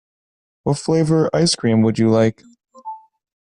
What flavour ice cream would you like?